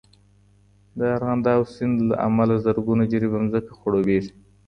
د ارغنداب سیند له امله زرګونه جریبه ځمکه خړوبېږي.